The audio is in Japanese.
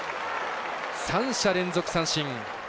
３者連続三振。